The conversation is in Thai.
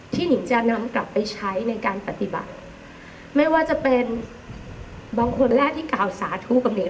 หนิงจะนำกลับไปใช้ในการปฏิบัติไม่ว่าจะเป็นบางคนแรกที่กล่าวสาธุกับหิง